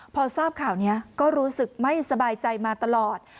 พอทราบข่าวนี้ก็รู้สึกไม่สบายใจมาตลอด